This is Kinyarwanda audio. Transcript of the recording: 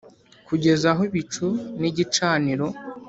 kugeza aho ibicu n’igicaniro